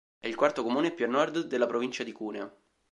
È il quarto comune più a nord della provincia di Cuneo.